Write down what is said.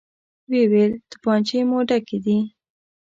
ويې ويل: توپانچې مو ډکې دي؟